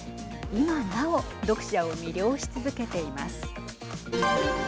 今なお読者を魅了し続けています。